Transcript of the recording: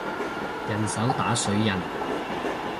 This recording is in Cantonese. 人手打水印